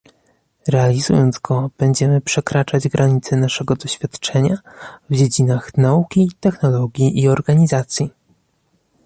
Realizując go, będziemy przekraczać granice naszego doświadczenia w dziedzinach nauki, technologii i organizacji